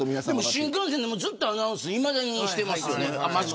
新幹線でもずっとアナウンスはしてますよね。